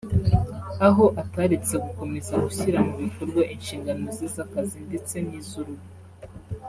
aho ataretse gukomeza gushyira mu bikorwa inshingano ze z’akazi ndetse n’iz’urugo